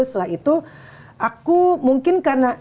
setelah itu aku mungkin karena